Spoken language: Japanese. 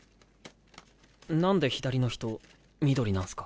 なんで左の人緑なんすか？